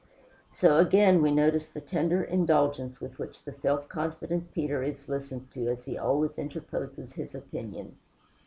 So, again, we notice the tender indulgence with which the self confident Peter is listened to as he always interposes his opinion.